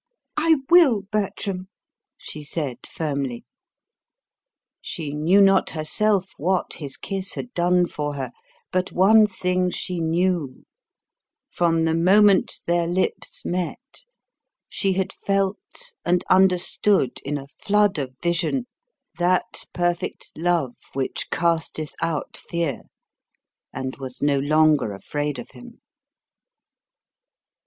"I will, Bertram," she said firmly. She knew not herself what his kiss had done for her; but one thing she knew: from the moment their lips met, she had felt and understood in a flood of vision that perfect love which casteth out fear, and was no longer afraid of him.